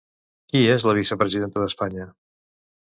Qui és la vicepresidenta d'Espanya?